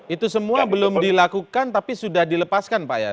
itu semua belum dilakukan tapi sudah dilepaskan pak ya